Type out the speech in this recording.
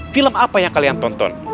film apa yang kalian tonton